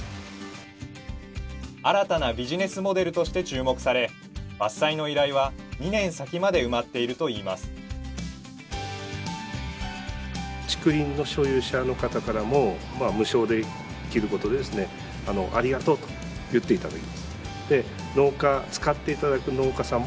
新たなビジネスモデルとして注目され伐採の依頼は２年先まで埋まっているといいますさあということで皆さんが作っているあれ？